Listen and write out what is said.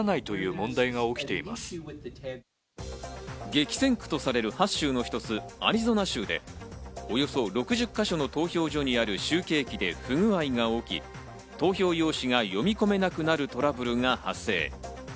激戦区とされる８州の一つアリゾナ州で、およそ６０か所の投票所にある集計機で不具合が起き、投票用紙が読み込めなくなるトラブルが発生。